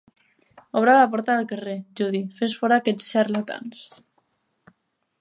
Obre la porta del carrer, Judy; fes fora aquests xarlatans.